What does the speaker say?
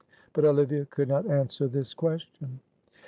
But Olivia could not answer this question.